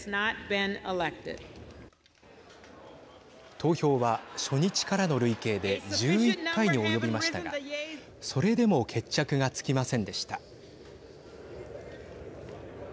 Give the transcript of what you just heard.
投票は初日からの累計で１１回に及びましたがそれでも決着がつきませんでした。